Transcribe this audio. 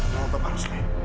nama bapak rusli